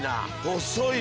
細い！